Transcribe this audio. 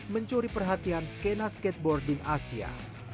mencuri perhatian skena skateboarding asia